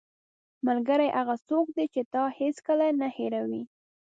ملګری هغه څوک دی چې تا هیڅکله نه هېروي.